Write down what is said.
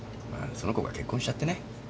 その子が結婚しちゃってね